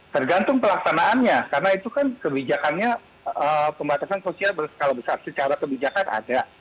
tergantung pelaksanaannya karena itu kan kebijakannya pembatasan sosial berskala besar secara kebijakan ada